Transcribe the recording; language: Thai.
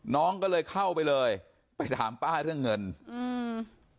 น้องก็เลยเข้าไปเลยไปถามป้าเรื่องเงินอืม